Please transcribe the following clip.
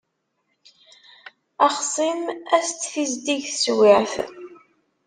Axṣim ad s-d-tizdig teswiεt.